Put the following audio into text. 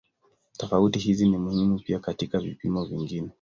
Tofauti hizi ni muhimu pia katika vipimo vingine.